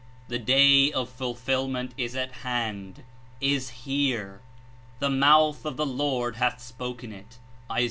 The Day of Fulfilment is at hand, is here. ''The mouth of the Lord hath spoken it/' (Is.